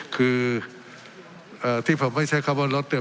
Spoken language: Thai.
คือที่ผมไม่ใช้คำว่ารถเนี่ย